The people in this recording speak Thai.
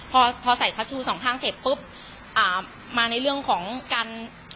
พอพอใส่ทัชชูสองข้างเสร็จปุ๊บอ่ามาในเรื่องของการ